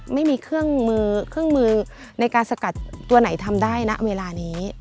ไม่มีเครื่องมือในการสกัดตัวไหนทำได้ณเวลานี้